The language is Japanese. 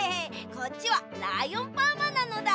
こっちはライオンパーマなのだ。